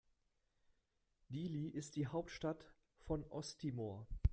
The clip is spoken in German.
Dili ist die Hauptstadt von Osttimor.